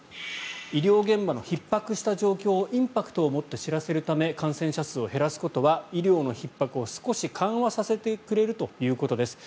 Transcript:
医療現場のひっ迫した状況をインパクトをもって知らせるため感染者数を減らすことは医療のひっ迫を少し緩和させてくれるということです。